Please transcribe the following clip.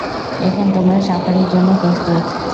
এখন তোমরা সাফারির জন্য প্রস্তুত।